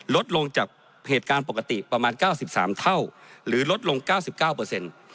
ลดลงจากเหตุการณ์ปกติประมาณเก้าสิบสามเท่าหรือลดลง๙๙เปอร์เซ็นต์